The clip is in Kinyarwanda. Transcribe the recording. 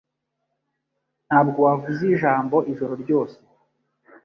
Ntabwo wavuze ijambo ijoro ryose.